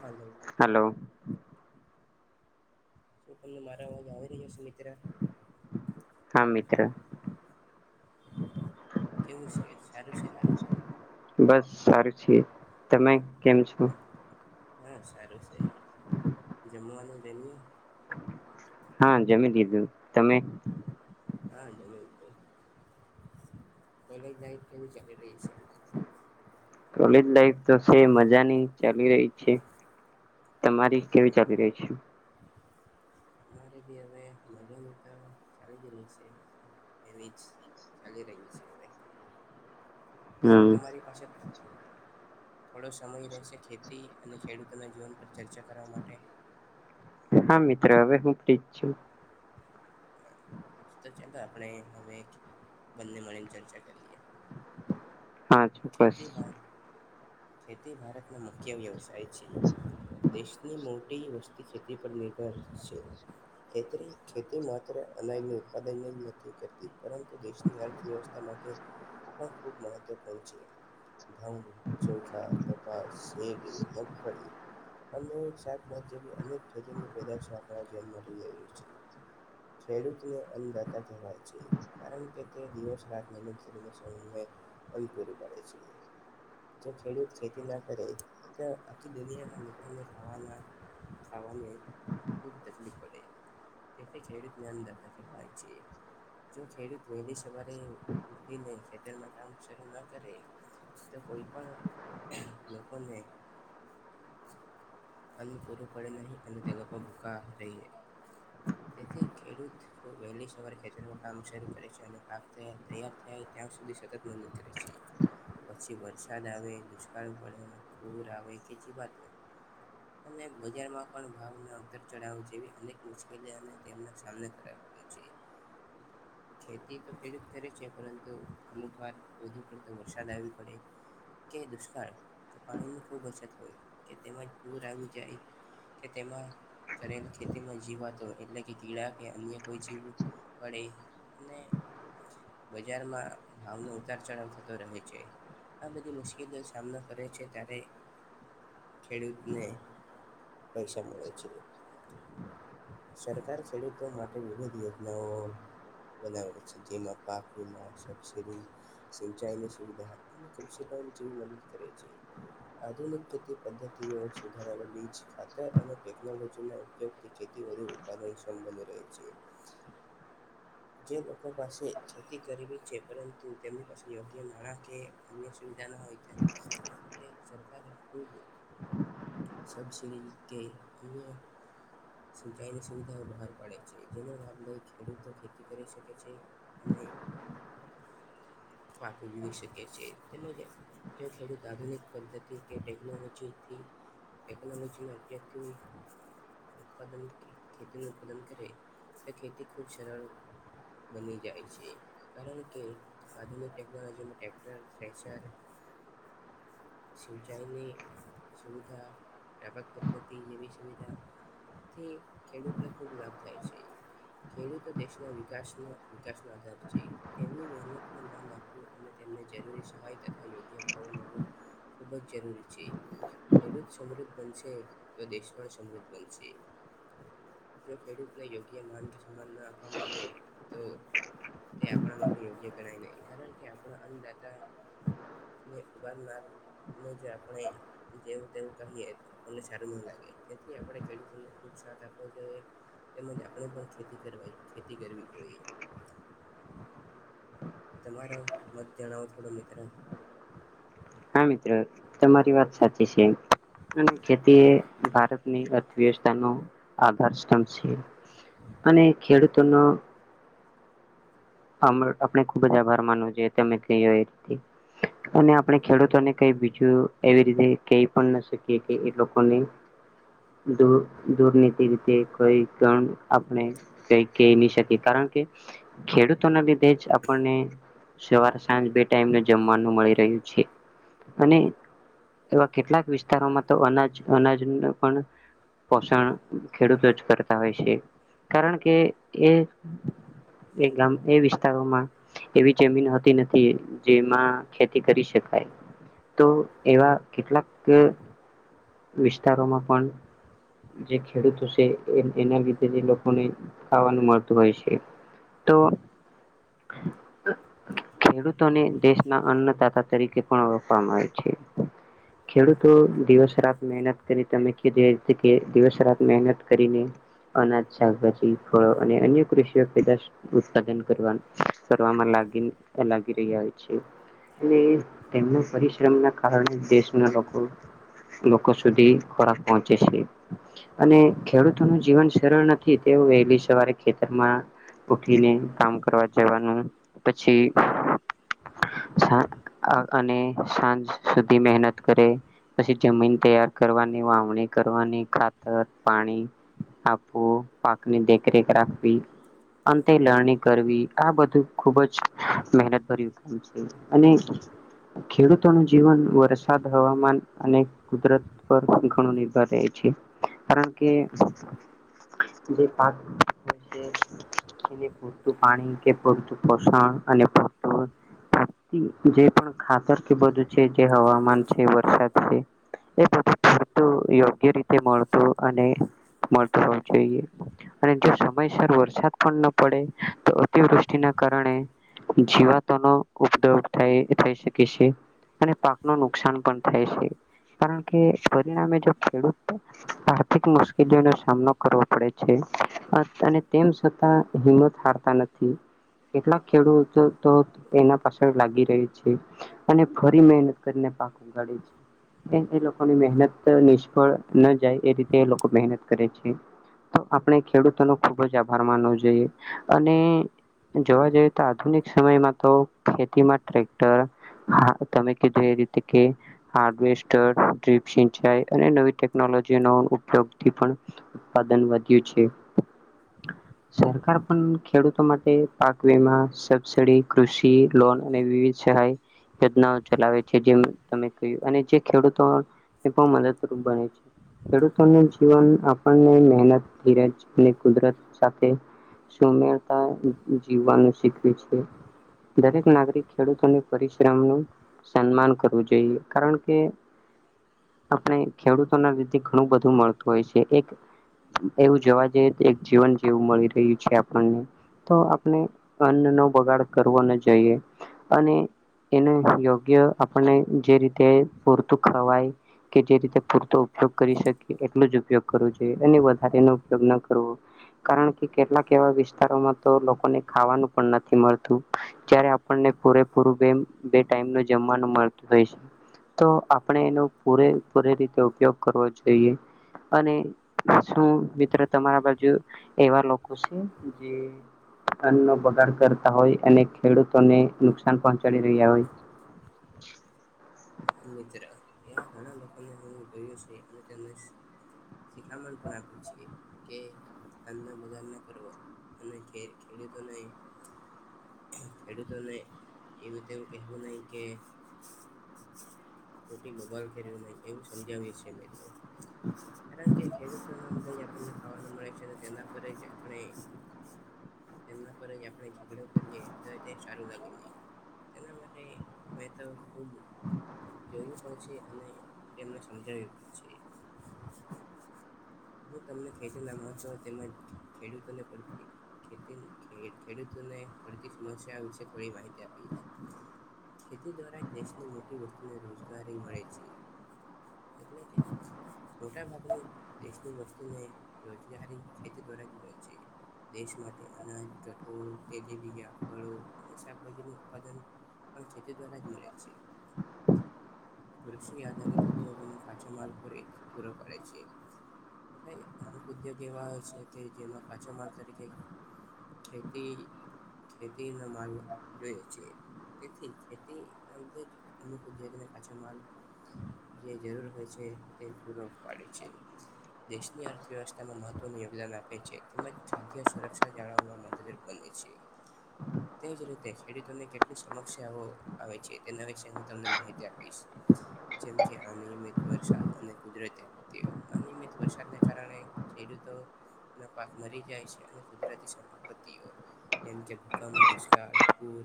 હાલો hello. તમને મારા અવાજ આવી રહ્યા છે. મિત્ર હા મિતિત્ર. કેવું છે સારું છે. બસ સારું છે તમે કેમ છો. હા હા સારું છે જમવાનું જમ્યું. હા જમી દીધું તમે. હા એ. કોલેજાય કેવી ચાલી રહી છે. કોલેજ લાઈફ તો છે મજાની ચાલી રહી છે. તમારી કેવી હા ચાલી રહી છે. અમારે બી હવે મજાનું તો ચ જ રહી છે. એવીજ ચાલી રહી છે હવે. શું હમ તમારી પાસેળ. થોડો સમય રહેશે ખેતી અને ખેડૂતોના જીવન પર ચર્ચા કરવા માટે. હા મિત્ર હવે હું ઠીક છું. તો ચાલો આપણે હવે બંને મળીને ચર્ચા કરીએ. હા ચોક્કસ. ખેતી ભા ખેતી ભારતનો મુખ્ય વ્યવસાય છે. દેશની મોટી વસ્તી ખેતી પર નિર્ભર છે. ખેત ખેતી માત્ર અનાયું ઉત્પાદન નથી કરતી. પરંતુ દેશની અર્થવ્યવસ્થા માટે પણ ખૂબ મહત્વપૂર્ણ છે. ધમ ચોખા કપાસ શેડી મગફળી. અને શાક જે અનેક ખેતી પેશ આપ છે. ખેડૂતને અનદાતા કહેવાય છે કારણ કે તે દિવસ રાત મન ખ સમ. અમ પૂરું પાડે છે. જો ખેડૂત ખેતી ના કરે તો આખી દુનિયામાં લોકોને ખાવાના. સાવાને ખૂબ દચલી પડે. એટલે ખેડૂતનેંદતા છે. જો ખેડૂત વહેલી સવારે ઉઠીને ખેતરમાં કામ. શરૂ ના કરે તો કોઈ પણ લોકોને. અનુ પૂરોું પડે નહીં અને તેગ પર ભૂકા રહી. તેથી ખેડૂત વહેલી સવારે ખેત કામ શરૂ કરે છે અને પા તૈયાર થાય. ત્યાં સુધી સતત મંદ રહેે છે. પછી વરસાદ આવે દુષ્કાળ પડે પૂર આવે ખેચી વાતો. અને બજારમાં પણ ભાવ અંતર ચાવ જેવી અનેક મુશ્કેલીઓને તેમના સામના કર. ખેતી તો ખેડૂત કરે છે પરંતુ અમુક વાર. વધુ પડતો વરસાદ આવી પડે. કે દુષ્કાળ તો પાણીની ખૂબ અછત હોય કે તેમજ પૂર આવી જાય. કે તેમાં કરેલ ખેતીમાં જીવાતો એટલે કે કીળ કે અન્ય કોઈ જીવ. પડે ને બજારમાં ભાવનો. ાર ચ થતો રહે છે આ બધી મુશ્કેલી સામનો કરે છે ત્યારે. ખેડૂતને પૈસા મળે છે. સરકાર ખેડૂતો માટે વિવિધ યોજનાઓ. બનાવે છે જેમાં પાખડીમાં સબસીડી. સિચ સુવિધા અને ક જેવી મદદ કરે છે. આધુનિક ખેતી પદ્ધતિઓ સુધારા બીજ ખાતર અને ટેકનોલોજી ના ઉપયોગથી ખેતી. ઉત્પાદન સંબંધ રહે છે. જે લોકો પાસે ખેતી કરવી છે પરંતુ તેમની પાસે યોગ્ય નાણાં કે અન્ય સુવિધા ના હોય તે માટે સરક ખૂબ સબસીિડી ગ અ સિંચાઈની સુવિધાઓ બહાર પાડે છે જેનો લાભ લઈ ખેડૂતો ખેતી કરી શકે છે અને [inaudible] વી શકે છે તેમજ ખેડૂત આધુનિક પદ્ધતિ કે ટેકનોલોજી ટેકનોલોજી ના અભ્યતિ ઉત્પાદન ખેતીનું ઉત્પાદન કરે ખેતી ખૂબ સરળ બની જાય છે કારણ કે આધુનિક ટેકનોલોજીમાં ટક્ટર શિંચાઈની સુવિધ વ્યાપક પદ્ધતિ જેવી સુવિધાથી ખેડૂતને ખૂબ લાભ થાય છે. ખેડૂતો દેશના વિકાસ વિકાસ ન આધાર છે તેમની મહેનતને માન આપવું રૂરી સહાયાયોગ્ય ભાવ મળવો ખૂબ જ જરૂરી છે. ખેડૂત સમૃદ્ધ બનશે તો દેશમાં સમૃદ્ધ બનશે. જો ખેડૂતને યોગ્ય માન કે સમાન ના આપવામાં આવે તો તે આપણા માટે યોગ્ય ગણાય નહીં કારણ કે આપણા અનદાતા. ઉરનાર ને આપણે જેવું કહીએ આપણને સારું નહી લાગે. જેથી આપણે ખેડૂતો ને પોસ્સાન આપવો જોઈએ. તેમજ આપણે પણ ખેતી કરવા ખેતી કરવી જોઈએ. તમારો મત જણાવો થોડો મિત્ર. હા મિત્રો તમારી વાત સાચી છે. અને ખેતી એ ભારતની અર્થવ્યવસ્થા ન આધાર સ્તંભ છે. અને ખેડૂતોનો. મ આપણે ખુબ જ આભાર માનવો જોઈએ તમે ક એ રી. અને આપણે ખેડૂતોને કઈ બીજું એવી રીતે કઈ પણ ના શકીએ કે એ લોકોને. દૂર દુરનીતિ રીતે કોઈ ગણ આપણે કઈ કહી નહી શકીએ કારણ કે ખેડૂત ના લીધે જ આપણને સવાર સાંજ બે ટાઈમ જમવાનું મળી રહ્યું છે. અને એવા કેટલાક વિસ્તારોમાં તો અનાજ અનાજ પણ પોષણ ખેડૂતો જ કરતા હોય છે કારણ કે એ એક ગામ એ વિસ્તારોમાં એવી જમીન હોતી નથી જેમાં ખેતી કરી શકાય. તો એવા કેટલાક વિસ્તારોમાં પણ જે ખેડૂતો છે એના લીધે જે લોકોને ખાવાનું મળતું હોય છે. તો [inaudible] ખેડૂતોને દેશના અન્નદાતા તરીકે પણ ઓળખવામાં આવે છે. ખેડૂતો દિવસ રાત મહેનત કરી તમે ખેતી એ કે દિવસ રાત મહેનત કરીને અનાજ શાકભાજી અને અન્ય કૃષિઓ પેદાશ ઉત્પાદન કરવા કરવામાં [unintelligible] લાગી રહી આવ્યું છે. છે અને તેમનો પરિશ્રમ ના કારણે દેશના લોકો લોકો સુધી ખોરાક પહોંચે છે. અને ખેડૂતોનું જીવન સરળ નથી તેવું વહેલી સવારે ખેતરમાં ઉઠી ને કામ કરવા જવાનું પછી અને સાંજ સુધી મહેનત કરે પછી જમીન તૈયાર કરવાની વાવણી કરવાની ખાતર પાણી આખું પાકની દેખરેખ રાખવી અંતે લરણી કરવી આ બધું ખુબ જ મહેનતભર્યું કામ છે અને ખેડૂતોનું જીવન વરસાદ હવામાન અને કુદરત પર ઘણું નિર્ભર રહે છે કારણ કે જે [unintelligible] પૂરતું પાણી કે પૂરતું પોષણ અને [unintelligible] જે પણ ખાતર કે બધું છે જે હવામાન છે વરસાદ છે. એ બધું પૂરતું યોગ્ય રીતે મળતું અને મળતું હોવું જોઈએ અને જો સમયસર વરસાદ પણ ન પડે તો અતિવૃષ્ટિના કારણે જીવાતોનો ઉદભવ થય થઈ શકે છે. અને પાકનું નુકસાન પણ થાય છે. કારણ કે પરિણામે જો ખેડૂત આર્થિક મુશ્કેલીઓનો સામનો કરવો પડે છે. અને તેમ છતાં હિંમત હારતા નથી. કેટલાક ખેડૂતો તો એના પાછળ લાગી રહી છે અને ફરી મહેનત કરીને પાક ઉઘાડે છે. એ લોકોની મહેનત નિષ્ફળ ના જાય એ રીતે એ લોકો મહેનત કરે છે. તો આપણે ખેડૂતોનો ખુબ જ આભાર માનવો જોઈએ અને જોવા જઈએ તો આધુનિક સમયમાં તો ખેતીમાં ટ્રેક્ટર હા તમે કીધું એ રીતે કે હાર્ડવેસ- જીપ સિંચાઈ અને નવી ટેક્નોલોજીનો ઉપયોગથી પણ ઉત્પાદન વધ્યું છે. [inaudible] સરકાર પણ ખેડૂતો માટે પાક વીમા સબસીડી કૃષિ લોન અને વિવિધ ચાય યોજનાઓ ચલાવે છે જે તમે ક્યું અને જે ખેડૂતોને એ પણ મદદરૂપ બને છે. ખેડૂતોનું જીવન આપણને મહેનત ધીરજ અને કુદરત સાથે સુમેરતા જીવવાનું શીખ્યું છે. દરેક નાગરિક ખેડૂતોને પરિશ્રમનું સન્માન કરવું જોઈએ કારણ કે [inaudible] આપણે ખેડૂતોના લીધે ઘણું બધું મળતું હોય છે એક એવું જવા જઈએ તો એક જીવન જેવું મળી રહ્યું છે આપણને તો આપણે અન્ન નો બગાડ કરવો ન જોઈએ અને [unintelligible] યોગ્ય આપણને જે રીતે પૂરતું ખવાય કે જે રીતે પૂરતો ઉપયોગ કરી શકી એટલું જ ઉપયોગ કરવો જોઈએ અને વધારે [unintelligible] કારણ કે કેટલાક એવા વિસ્તારોમાં તો લોકોને ખાવાનું પણ નથી મળતું [unintelligible] આપને પૂરેૂું [unintelligible] બે ટાઈમ જમવાનું મળતું હોય છે તો આપણે એનો પૂરેપૂરી રીતે ઉપયોગ કરવો જોઈએ અને શું મિત્ર તમારા બાજુ એવા લોકો [inaudible] [unintelligible] બગાડ કરતા હોય અને ખેડૂતોને નુકસાન પહોંચાડી રહ્યા હોય [inaudible] [inaudible] [unintelligible] કે અન બગાર ના કરવા [unintelligible] ખેલી તો નહી ખેડૂતો [unintelligible] ને એવુંતે કહેવું નહી કે મોોટી બબાલ ખેર નહી એવું સમજાવ્યું [inaudible] કારણ કે ખેડૂતોન [inaudible] [inaudible] આપણને ખાવાનું મળે છે અને તેના પર જ આપણે તેમના પર જ આપણે [unintelligible] [inaudible] [inaudible] [unintelligible] એના માટે મેં તો જોયું પણ છે અને એમને સમજાવ્યું પણ છે હું તમને ખેતી ના [unintelligible] તેમજ ખેડૂત [inaudible] ખેડૂતોને પડતી સમસ્યા વિશે થોડી માહિતી આપીએ છે ખેતી દ્વારા દેશની મોટી વસ્તુને રોજગારી મળે છે એટલે કે [unintelligible] દેશની વસ્તીને રોજગારી ખેતી દ્વારા જ મળે છે. દેશ માટે અનાજ, કઠોળ, ખેતીબીજ, ફળો અને શાકભાજીનુ ઉત્પાદન પણ ખેતી દ્વારા જ મળે છે. વૃક્ષી આધારિત ઉદ્યોગને કાચ માલખોરી પૂર પાડ છે [unintelligible] અમુક ઉદ્યોગ એવા છે કે જેમાં કાચો માલ તરીકે ખેતી ખેતી ન માલ જોય છે તેથી ખેતી ના અનુકૂલ છે કાચા માલ જે જરૂર હોય છે તે પૂરરો પાડ છે દેશની અર્થવ્યવસ્થામાં મહત્વનું યોગદાન આપે છે તેમજ ખાદ્ય સુરક્ષા જાળવ [unintelligible] [inaudible] તેજ રીતે ખેડૂતોની કેટલી સમસ્યાઓ આવે છે તેના વિશે હું તમને માહિતી આપીશ જેમ અનયમિત વરસાદઅને કુદરતી [inaudible] કારણે ખેડૂતોના પાક મરી જાય છે અને કુદરતી આપત્તિઓ જેમ કે ભૂકંપ દુષ્કાળ પૂર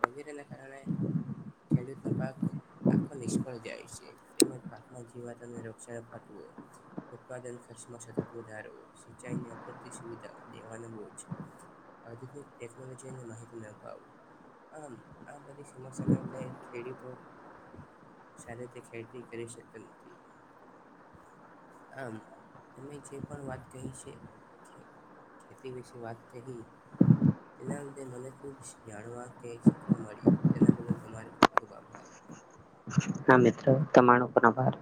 વગેરેના કારણે ખેડૂતનો પાક આખો નિષ્ફળ જાય છે તેમજ પાકમાં જીવાતોને રક્ષણ અપાટવું ઉત્પાદન ખર્ચમાં સતત વધારો સિંચાઈની અપૂરતી સુવિધા દેવાનું [unintelligible] આધુનિક ટેકનોલોજીને માહિતી મે અળપાવો આમ આ બધી સમસા ના ખેડીતો સારી રીતે ખેતી કરી શકતો નથી આમ અમે જે પણ વાત કહી છે ખેતી વિશે વાત કહી તેના લધે મને ખુબ જાણવા કે શીખવા મળ્યું તેના બદલ તમારે ખૂબ ખુબ આભાર હા મિત્રો તમારો પણ આભાર